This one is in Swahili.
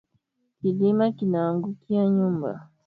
Kilima kinaangukiya nyumba